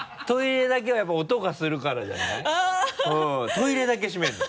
トイレだけ閉めるの。